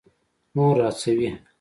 نور هڅوي.